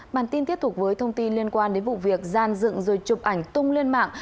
bản tin tiếp tục với thông tin liên quan đến vụ việc gian dựng rồi chụp ảnh tung lên mạng